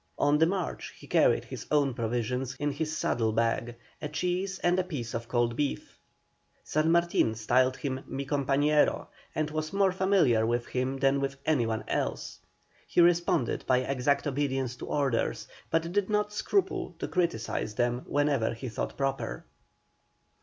On the march he carried his own provisions in his saddle bags a cheese and a piece of cold beef. San Martin styled him "Mi compañero," and was more familiar with him than with any one else. He responded by exact obedience to orders, but did not scruple to criticise them whenever he thought proper.